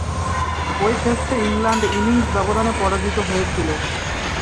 ঐ টেস্টে England innings ব্যবধানে পরাজিত হয়েছিল।